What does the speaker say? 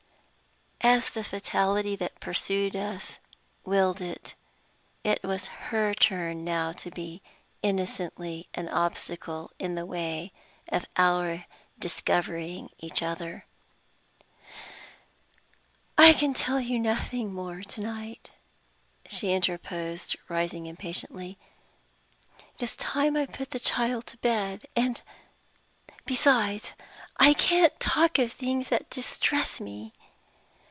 As the fatality that pursued us willed it, it was her turn now to be innocently an obstacle in the way of our discovering each other. "I can tell you nothing more to night," she interposed, rising impatiently. "It is time I put the child to bed and, besides, I can't talk of things that distress me.